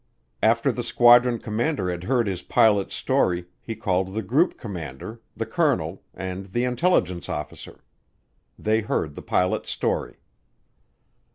After the squadron commander had heard his pilot's story, he called the group commander, the colonel, and the intelligence officer. They heard the pilot's story.